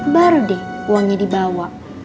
baru deh uangnya dibawa